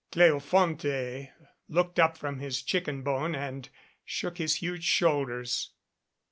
Cleofonte looked up from his chicken bone and shook his huge shoulders.